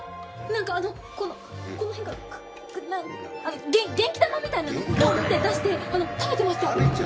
なんかあのこの辺から元気玉みたいなのをポンって出して食べてました！